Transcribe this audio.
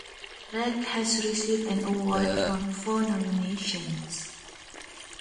Reik has received an award from four nominations.